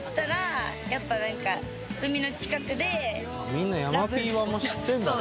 みんな山Ｐ版も知ってるんだね。